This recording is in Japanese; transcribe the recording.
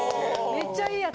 ・めっちゃ良いやつ。